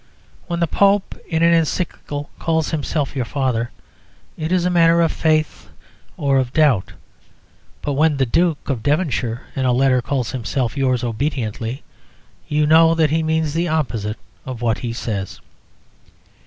When the Pope in an Encyclical calls himself your father, it is a matter of faith or of doubt. But when the Duke of Devonshire in a letter calls himself yours obediently, you know that he means the opposite of what he says.